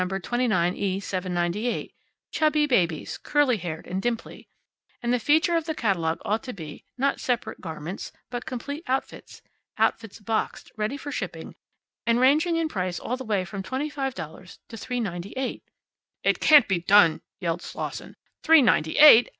29E798 chubby babies, curly headed, and dimply. And the feature of that catalogue ought to be, not separate garments, but complete outfits. Outfits boxed, ready for shipping, and ranging in price all the way from twenty five dollars to three ninety eight " "It can't be done!" yelled Slosson. "Three ninety eight!